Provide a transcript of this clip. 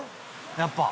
やっぱ。